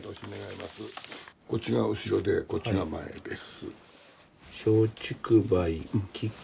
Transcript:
こっちが後ろでこっちが前です。